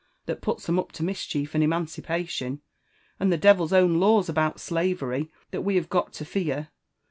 that puts 'em up to mischief and emancipation, and the devil's own laws about slavery, that we have got to fear.